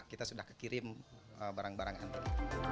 kita sudah kekirim barang barang antik